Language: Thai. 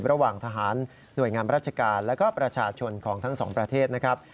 ระหว่างทหารหน่วยงามราชการและก็ประชาชนของทั้งสองประเทศนะครับ